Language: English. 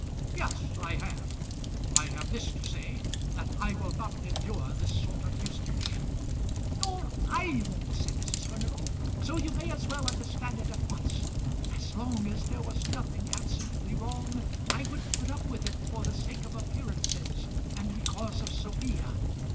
"Yes, I have; I have this to say, that I will not endure this sort of usage." "Nor I won't," said Mrs. Furnival; "so you may as well understand it at once. As long as there was nothing absolutely wrong, I would put up with it for the sake of appearances, and because of Sophia.